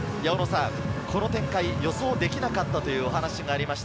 この展開、予想できなかったというお話がありました。